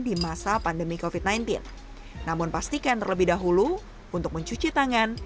di masa pandemi kofit sembilan belas namun pastikan terlebih dahulu untuk mencuci tangan